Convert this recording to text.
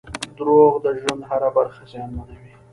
• دروغ د ژوند هره برخه زیانمنوي.